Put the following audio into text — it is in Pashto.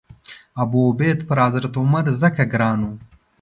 ابوعبیده پر حضرت عمر ځکه ګران و.